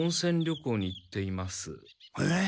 えっ？